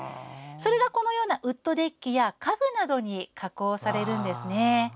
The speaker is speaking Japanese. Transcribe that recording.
それがこのようなウッドデッキや家具などに加工されるんですね。